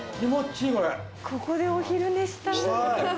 ここでお昼寝したい。